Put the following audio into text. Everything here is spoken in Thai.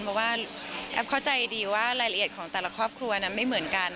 เพราะว่าแอฟเข้าใจดีว่ารายละเอียดของแต่ละครอบครัวนั้นไม่เหมือนกัน